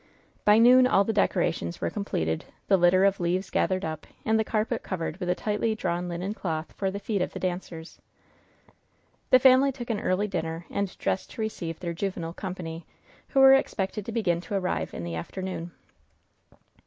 By noon all the decorations were completed, the litter of leaves gathered up, and the carpet covered with a tightly drawn linen cloth for the feet of the dancers. The family took an early dinner, and dressed to receive their juvenile company, who were expected to begin to arrive in the afternoon.